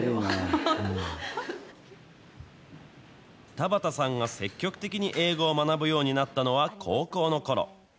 田畑さんが積極的に英語を学ぶようになったのは高校のころ。